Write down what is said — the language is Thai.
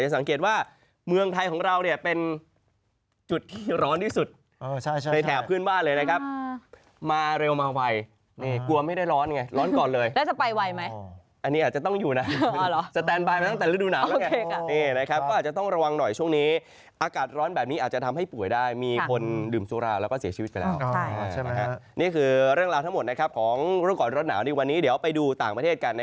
จะสังเกตว่าเมืองไทยของเราเนี่ยเป็นจุดที่ร้อนที่สุด